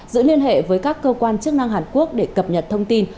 giữ liên hệ với các cơ quan chức năng hàn quốc để cập nhật thông tin